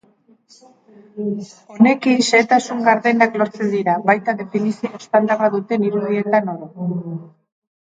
Honekin, xehetasun gardenak lortzen dira, baita definizio estandarra duten irudietan ere.